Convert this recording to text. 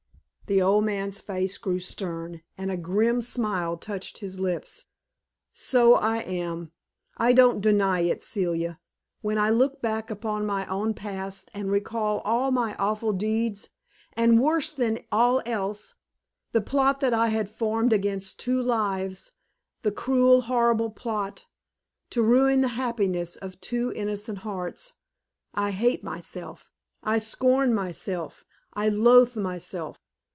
The old man's face grew stern, and a grim smile touched his lips. "So I am. I don't deny it, Celia. When I look back upon my own past and recall all my awful deeds, and worse than all else, the plot that I had formed against two lives the cruel, horrible plot to ruin the happiness of two innocent hearts, I hate myself, I scorn myself, I loathe myself.